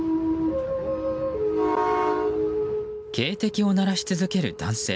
警笛を鳴らし続ける男性。